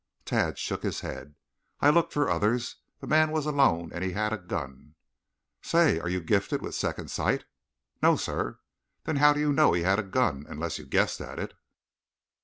Tad shook his head. "I looked for others. The man was alone and he had a gun." "Say, are you gifted with second sight?" "No, sir." "Then how do you know he had a gun, unless you guessed it?"